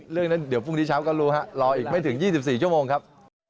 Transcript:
เรื่องนั้นเดี๋ยวพรุ่งนี้เช้าก็รู้ฮะรออีกไม่ถึง๒๔ชั่วโมงครับ